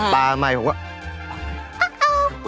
ปลาใหม่ผมก็